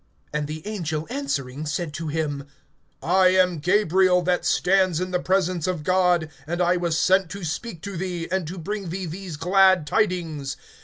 (19)And the angel answering said to him: I am Gabriel, that stands in the presence of God; and I was sent to speak to thee, and to bring thee these glad tidings.